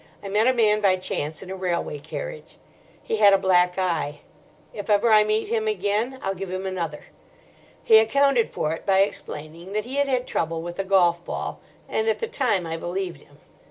I met a man by chance in a railway carriage. He had a black eye. If ever I meet him again I'll give him another. He accounted for it by explaining that he had had trouble with a golf ball, and at the time I believed him.